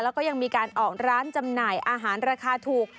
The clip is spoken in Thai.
แล้วก็ยังมีการออกร้านจำหน่ายอาหารราคาถูก